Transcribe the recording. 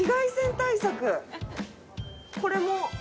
これも。